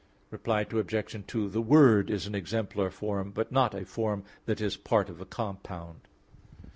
Reply Obj. 2: The Word is an exemplar form; but not a form that is part of a compound.